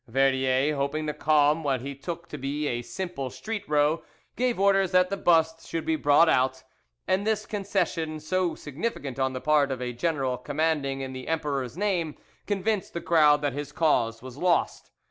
Verdier, hoping to calm, what he took to be a simple street row, gave orders that the bust should be brought out, and this concession, so significant on the part of a general commanding in the emperor's name, convinced the crowd that his cause was lost.